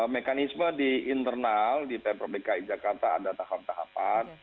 mekanisme di internal di pemperbikai jakarta ada tahap tahapan